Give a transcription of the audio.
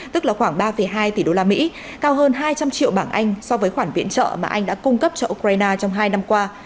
tức là khoảng ba hai tỷ đô la mỹ cao hơn hai trăm linh triệu bảng anh so với khoản viện trợ mà anh đã cung cấp cho ukraine trong hai năm qua